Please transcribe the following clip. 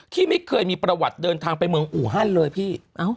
ที่ไม่เคยมีประวัติเดินทางไปเมืองอูฮันเลยพี่